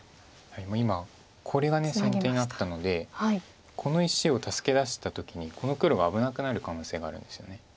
今これが先手になったのでこの石を助け出した時にこの黒が危なくなる可能性があるんですよね。